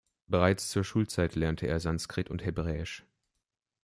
Bereits zur Schulzeit lernte er Sanskrit und Hebräisch.